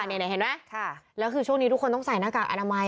นี่เห็นไหมแล้วคือช่วงนี้ทุกคนต้องใส่หน้ากากอนามัย